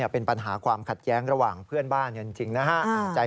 เป็นปัญหาความขัดแย้งระหว่างเพื่อนบ้านกันจริงนะฮะ